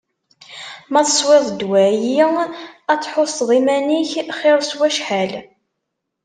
Ma teswiḍ ddwa-yi, ad tḥusseḍ iman-ik xir s wacḥal.